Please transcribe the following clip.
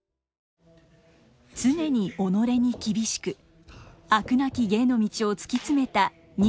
常に己に厳しく飽くなき芸の道を突き詰めた二世松緑。